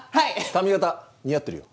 髪形似合ってるよ。